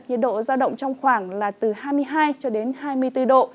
nhiệt độ giao động trong khoảng là từ hai mươi hai mươi năm độ